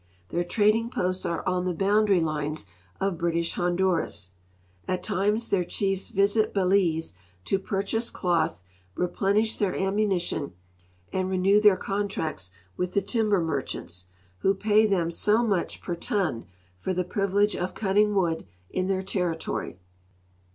Their trading posts are on the boumlary lines of British Honduras. At times their chiefs visit Belize to purchase cloth, replenish their ammunition, and renew their contracts with the timber merchants, who pay them so much per ton for the privilege of cutting wood in their territory.